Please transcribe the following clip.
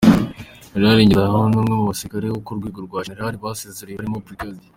Gen. Ngendahimana ni umwe mu basirikare bo ku rwego rwa Jenerali basezerewe, barimo Brig.